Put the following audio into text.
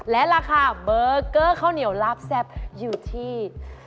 และราคาเบอร์เกอร์ข้าวเหนียวลาบแซ่บอยู่ที่